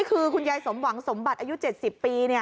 คือคุณยายสมหวังสมบัติอายุ๗๐ปี